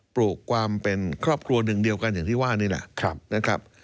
ปลูกความเป็นครอบครัวหนึ่งเดียวกันอย่างที่ว่านี่แหละนะครับ